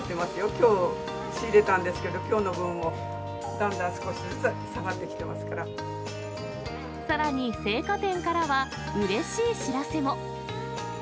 きょう仕入れたんですけど、きょうの分も、だんだん少しずつさらに青果店からは、うれしい知らせも。